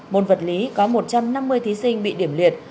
môn vật lý có một trăm năm mươi thí sinh bị điểm liệt